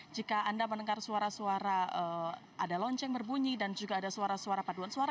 jika anda mendengar suara suara ada lonceng berbunyi dan juga ada suara suara paduan suara